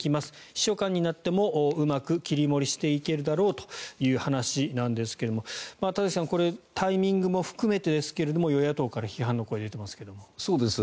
秘書官になってもうまく切り盛りしていけるだろうという話なんですけども田崎さんタイミングも含めてですが与野党から批判の声が出ていますが。